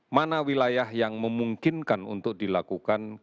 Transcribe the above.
mana wilayah yang memungkinkan untuk dilakukan